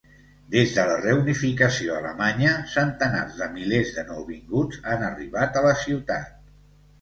Des de la reunificació alemanya, centenars de milers de nouvinguts han arribat a la ciutat.